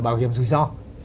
bảo hiểm rủi ro